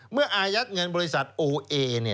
อายัดเงินบริษัทโอเอ